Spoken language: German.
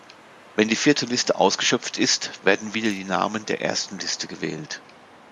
Wenn die vierte Liste ausgeschöpft ist, werden wieder die Namen der ersten Liste gewählt.